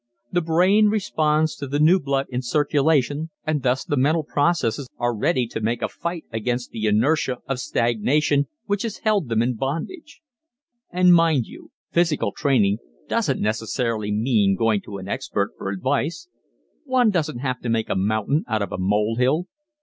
The brain responds to the new blood in circulation and thus the mental processes are ready to make a fight against the inertia of stagnation which has held them in bondage. [Illustration: Do You Ever Laugh? (White Studio)] And, mind you, physical training doesn't necessarily mean going to an expert for advice. One doesn't have to make a mountain out of a molehill.